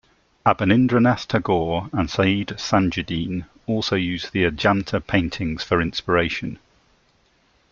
Abanindranath Tagore and Syed Thajudeen also used the Ajanta paintings for inspiration.